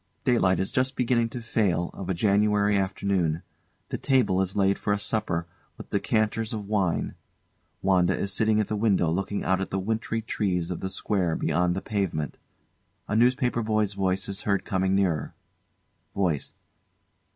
Daylight is just beginning to fail of a January afternoon. The table is laid for supper, with decanters of wine. WANDA is standing at the window looking out at the wintry trees of the Square beyond the pavement. A newspaper Boy's voice is heard coming nearer. VOICE.